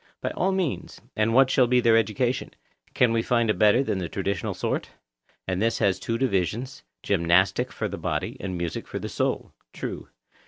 By all means. And what shall be their education? Can we find a better than the traditional sort?—and this has two divisions, gymnastic for the body, and music for the soul. True.